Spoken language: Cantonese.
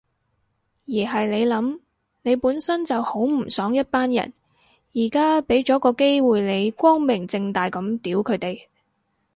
而係你諗，你本身就好唔爽一班人，而家畀咗個機會你光明正大噉屌佢哋